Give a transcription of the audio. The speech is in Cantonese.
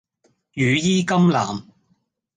羽衣甘藍